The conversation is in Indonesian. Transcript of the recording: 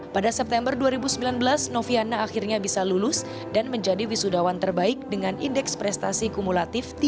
pada september dua ribu sembilan belas noviana akhirnya bisa lulus dan menjadi wisudawan terbaik dengan indeks prestasi kumulatif